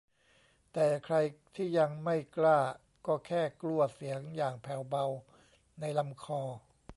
แต่ใครที่ยังไม่กล้าก็แค่กลั้วเสียงอย่างแผ่วเบาในลำคอ